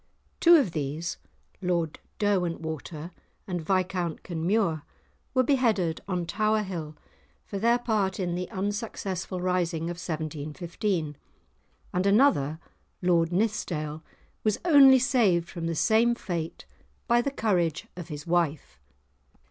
Two of these, Lord Derwentwater and Viscount Kenmure, were beheaded on Tower Hill for their part in the unsuccessful rising of 1715, and another, Lord Nithsdale, was only saved from the same fate by the courage of his wife.